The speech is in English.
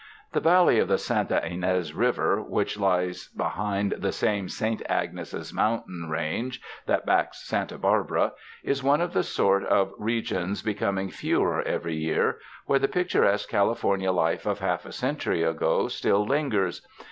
The valley of the Santa Ynez River, which lies behind the same Saint Agnes 's mountain range that backs Santa Barbara, is one of the sort of re gions becoming fewer every year, where the pictur esque California life of half a century ago still lingers.